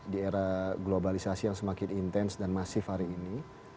di era globalisasi yang semakin intens dan masif hari ini